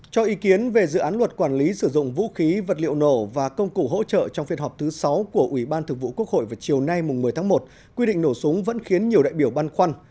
cho ý kiến về dự án luật quản lý sử dụng vũ khí vật liệu nổ và công cụ hỗ trợ trong phiên họp thứ sáu của ủy ban thực vụ quốc hội vào chiều nay một mươi tháng một quy định nổ súng vẫn khiến nhiều đại biểu băn khoăn